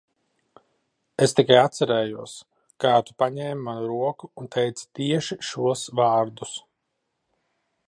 Es tikai atcerējos, kā tu paņēmi manu roku un teici tieši šos vārdus.